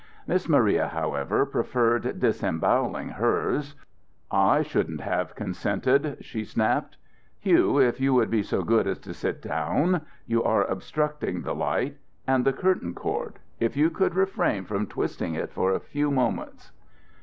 Miss Maria, however, preferred disemboweling hers, "I shouldn't have consented," she snapped. "Hugh, if you would be so good as to sit down. You are obstructing the light. And the curtain cord. If you could refrain from twisting it for a few moments."